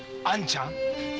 「あんちゃん」？